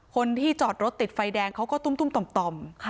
คนที่จอดรถติดไฟแดงเขาก็ตุ้มต่อม